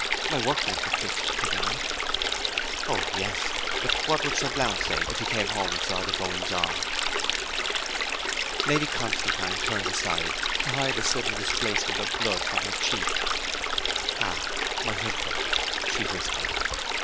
My workmen could fix it, could they not?' 'O yes. But what would Sir Blount say, if he came home and saw the goings on?' Lady Constantine turned aside to hide a sudden displacement of blood from her cheek. 'Ah my husband!' she whispered.